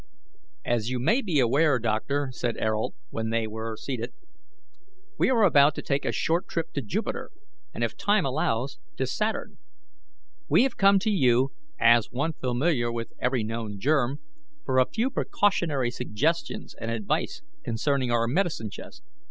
"As you may be aware, doctor," said Ayrault, when they were seated, "we are about to take a short trip to Jupiter, and, if time allows, to Saturn. We have come to you, as one familiar with every known germ, for a few precautionary suggestions and advice concerning our medicine chest."